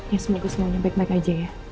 ya semoga semuanya baik baik aja ya